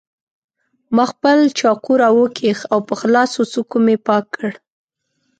ما خپل چاقو راوکېښ او په خلاصو څوکو مې پاک کړ.